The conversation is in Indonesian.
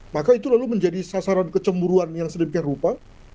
maka itu lalu menjadi sasaran kecemburuan yang sedemikian rupa